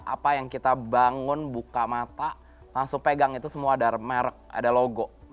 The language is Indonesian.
apa yang kita bangun buka mata langsung pegang itu semua ada merek ada logo